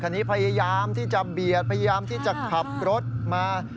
พยายามที่จะเบียดพยายามที่จะขับรถมา